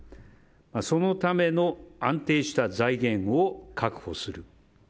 そのための安定した財源を確保する。